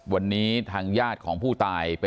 วันนี้ทางญาติของผู้ตาย